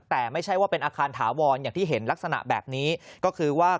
แต่ไม่ใช่ว่าเป็นอาคารถาวรอย่างที่เห็นลักษณะแบบนี้ก็คือว่า